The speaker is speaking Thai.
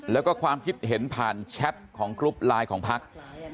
แล้วก็ความคิดเห็นผ่านแชทของกรุ๊ปไลน์ของพัก